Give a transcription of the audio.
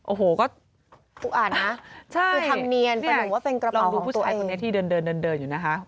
โอ้โหก็ใช่ลองดูผู้ชายคนนี้ที่เดินอยู่นะคะ